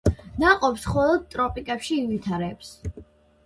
ნაყოფს მხოლოდ ტროპიკებში ივითარებს.